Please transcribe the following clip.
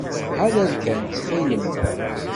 Ḥader kan, ttxil-m.